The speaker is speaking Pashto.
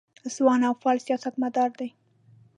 ځوان او فعال سیاستمدار دی.